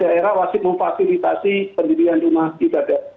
daerah wajib memfasilitasi pendirian rumah ibadah